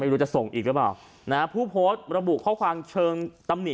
รู้จะส่งอีกหรือเปล่านะฮะผู้โพสต์ระบุข้อความเชิงตำหนิ